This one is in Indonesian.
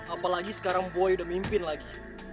apalagi sekarang boy udah mimpin lagi